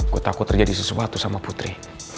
gue takut terjadi sesuatu sama putri